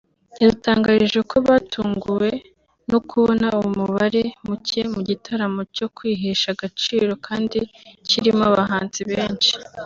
yadutangarije ko batunguwe no kubona umubare mucye mu gitaramo cyo kwihesha agaciro kandi kirimo abahanzi benshi